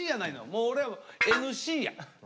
もう俺はＮＣや。